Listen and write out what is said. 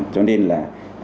cho nên là